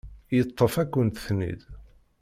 Yeṭṭef-akent-ten-id.